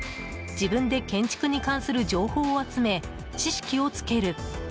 自分で、建築に関する情報を集め知識をつける。